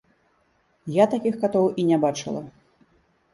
Я такіх катоў і не бачыла.